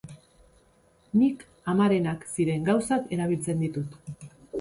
Nik amarenak ziren gauzak erabiltzen ditut.